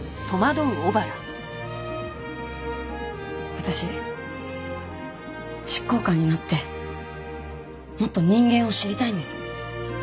私執行官になってもっと人間を知りたいんです。